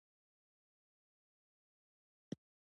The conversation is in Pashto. دی پسي پریږده